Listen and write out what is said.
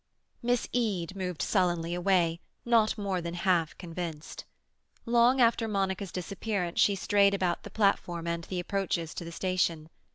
Miss Eade moved sullenly away, not more than half convinced. Long after Monica's disappearance she strayed about the platform and the approaches to the station.